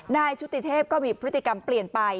ชุติเทพก็มีพฤติกรรมเปลี่ยนไป